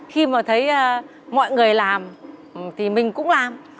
khi mà thấy mọi người làm thì mình cũng làm